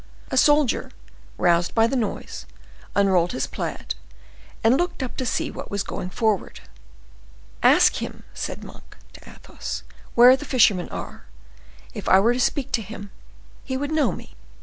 A soldier, roused by the noise, unrolled his plaid, and looked up to see what was going forward. "Ask him," said Monk to Athos, "where the fishermen are; if I were to speak to him, he would know me."